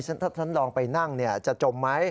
ถ้าฉันลองไปนั่งเนี่ยจะจมไหม